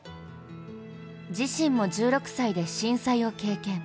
自身も１６歳で震災を経験。